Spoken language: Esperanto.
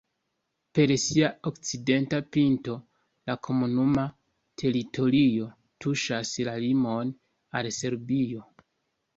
Per sia okcidenta pinto la komunuma teritorio tuŝas la limon al Serbio.